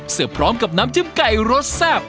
พร้อมกับน้ำจิ้มไก่รสแซ่บ